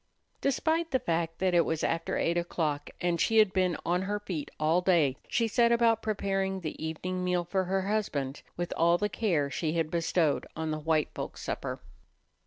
Despite the fact that it was after eight o'clock and she had been on her feet all day, she set about preparing the evening meal for her husband with all the care she had bestowed on the white folks' supper.